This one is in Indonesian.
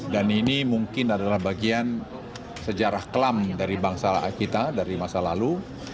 dan ini mungkin adalah bagian sejarah kelam dari bangsa kita dari masa lalu